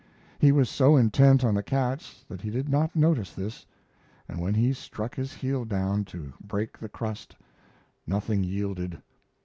He was so intent on the cats that he did not notice this, and when he struck his heel down to break the crust nothing yielded.